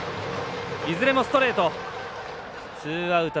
いずれもストレート。